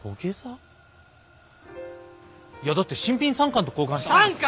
いやだって新品３缶と交換したんですよ？